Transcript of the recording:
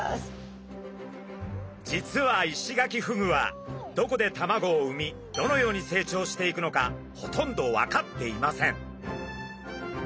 実はイシガキフグはどこで卵を産みどのように成長していくのかほとんど分かっていません。